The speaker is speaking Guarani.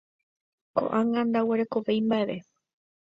Ko'ág̃a ndaguerekovéi mba'eve.